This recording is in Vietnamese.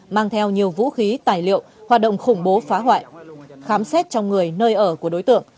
mang theo nhiều vũ khí tài liệu hoạt động khủng bố phá hoại khám xét trong người nơi ở của đối tượng